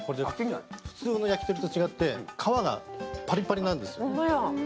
普通の焼き鳥と違って皮がパリパリなんですよ。